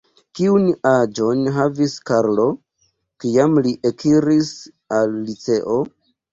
Kiun aĝon havis Karlo, kiam li ekiris al liceo?